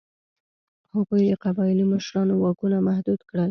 هغوی د قبایلي مشرانو واکونه محدود کړل.